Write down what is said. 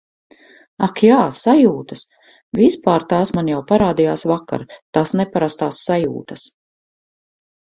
Ak jā, sajūtas!!! Vispār tās man jau parādījās vakar, tās neparastās sajūtas.